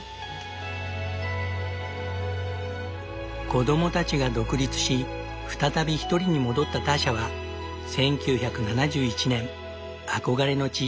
子供たちが独立し再びひとりに戻ったターシャは１９７１年憧れの地